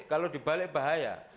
kalau dibalik bahaya